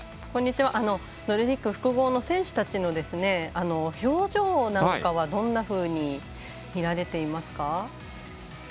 ノルディック複合の選手たちの表情なんかはどんなふうに見られていますか？